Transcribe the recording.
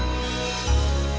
pilih tangan haris